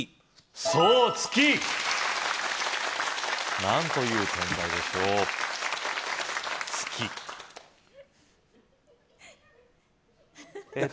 そう月何という天体でしょう月えっと